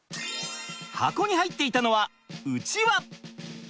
箱に入っていたのはうちわ！